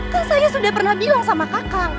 kak saya sudah pernah bilang sama kakak